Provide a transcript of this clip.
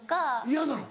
嫌なの？